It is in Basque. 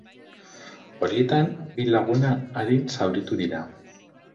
Horietan, bi laguna arin zauritu dira.